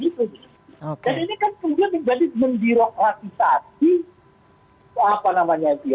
ini kan kemudian menjadi mendirokratisasi